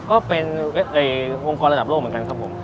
ก็เป็นองค์กรระดับโลกเหมือนกันครับผม